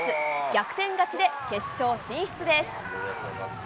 逆転勝ちで、決勝進出です。